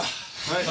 はい。